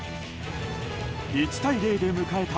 １対０で迎えた